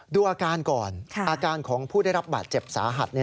ดูอาการก่อนอาการของผู้ได้รับบาดเจ็บสาหัส